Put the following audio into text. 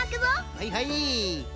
はいはい。